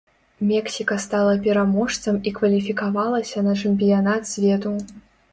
Мексіка стала пераможцам і кваліфікавалася на чэмпіянат свету.